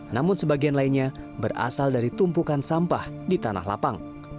namun sebagian lainnya berasal dari tumpukan sampah di tanah lapang